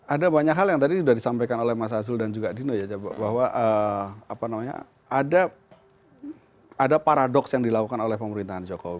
ada banyak hal yang tadi sudah disampaikan oleh mas azul dan juga dino ya bahwa ada paradoks yang dilakukan oleh pemerintahan jokowi